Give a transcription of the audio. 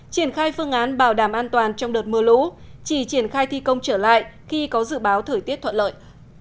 triển khai phương án bảo đảm an toàn trong đợt mưa lũ chỉ triển khai thi công trở lại khi có dự báo thời tiết thuận lợi